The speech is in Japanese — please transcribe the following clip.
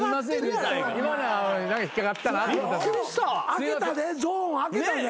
あけたでゾーンあけたで。